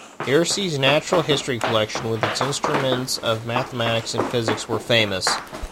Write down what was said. Irsee's natural history collection with its instruments of mathematics and physics were famous.